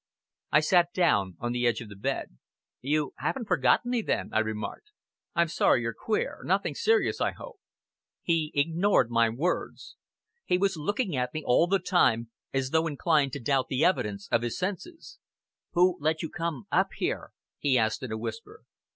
I sat down on the edge of the bed. "You haven't forgotten me then?" I remarked. "I'm sorry you're queer! Nothing serious, I hope?" He ignored my words. He was looking at me all the time, as though inclined to doubt the evidence of his senses. "Who let you come up here?" he asked in a whisper.